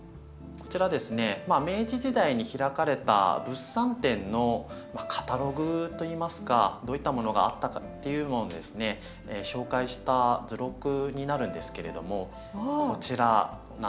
こちらですね明治時代に開かれた物産展のカタログといいますかどういったものがあったかっていうのをですね紹介した図録になるんですけれどもこちらなんとビカクシダが登場していたんです。